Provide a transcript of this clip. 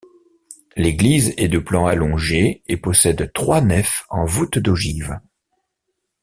L'église est de plan allongé et possède trois nefs en voûtes d'ogive.